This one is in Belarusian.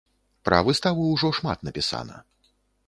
Пра выставу ўжо шмат напісана.